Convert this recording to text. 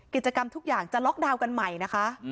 กิจกรรมทุกอย่างจะล็อกดาวน์กันใหม่นะคะ